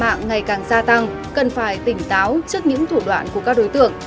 mạng ngày càng gia tăng cần phải tỉnh táo trước những thủ đoạn của các đối tượng